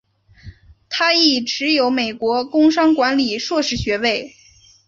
他亦持有美国工商管理硕士学位。